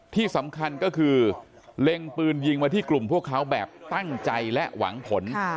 ที่สำคัญก็คือเล็งปืนยิงมาที่กลุ่มพวกเขาแบบตั้งใจและหวังผล